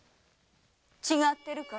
違ってるかい？